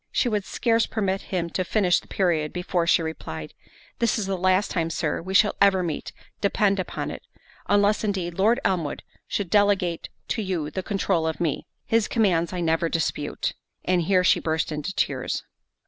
She would scarce permit him to finish the period, before she replied, "This is the last time, Sir, we shall ever meet, depend upon it—unless, indeed, Lord Elmwood should delegate to you the controul of me—his commands I never dispute." And here she burst into tears.